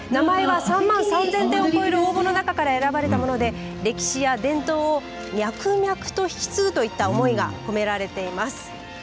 名前は３万３０００点を超える応募の中から選ばれたもので歴史や伝統を脈々と引き継ぐといった思いが込められています。